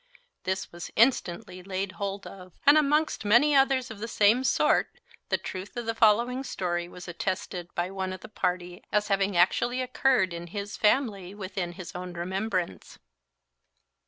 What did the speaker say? This was instantly laid hold of; and amongst many others of the same sort, the truth of the following story was attested by one of the party, as having actually occurred in his family within his own remembrance.